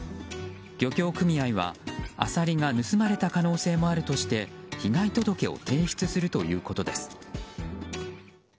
漁協組合は、アサリが盗まれた可能性もあるとして被害届を提出するということです。